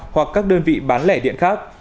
hoặc các đơn vị bán lẻ điện khác